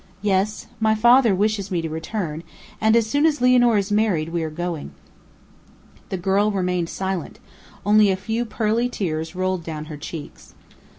"Yes; my father wishes me to return, and as soon as Lianor is married we are going." The girl remained silent; only a few pearly tears rolled down her cheeks.